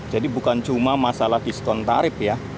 jadi bukan cuma masalah diskon tarif ya